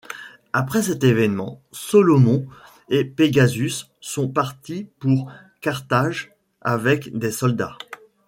Après cet événement, Solomon et Pegasus sont partis pour Carthage avec des soldats.